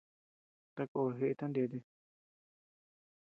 Takó jeʼeta ndete.